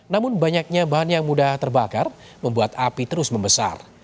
namun banyaknya bahan yang mudah terbakar membuat api terus membesar